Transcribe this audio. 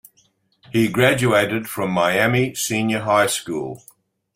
He graduated from Miami Senior High School.